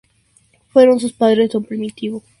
Fueron sus padres don Primitivo Crespo y doña Carmen Rivera.